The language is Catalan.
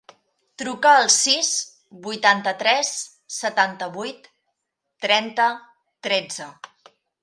Truca al sis, vuitanta-tres, setanta-vuit, trenta, tretze.